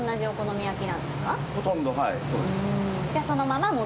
そのまま。